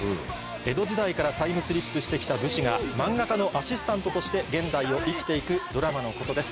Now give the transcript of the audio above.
江戸時代からタイムスリップして来た武士がマンガ家のアシスタントとして現代を生きて行くドラマのことです。